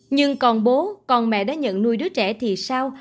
nhưng còn bố con mẹ đã nhận nuôi đứa trẻ thì sao